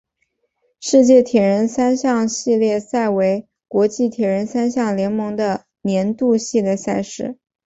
世界铁人三项系列赛为国际铁人三项联盟的年度系列赛事。